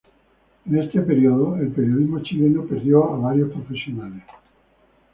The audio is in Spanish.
En este período, el periodismo chileno perdió a varios profesionales.